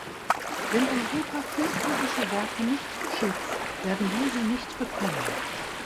Wenn Europa künstlerische Werke nicht schützt, werden wir sie nicht bekommen.